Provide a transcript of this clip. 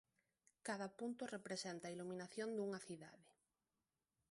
Cada punto representa a iluminación dunha cidade.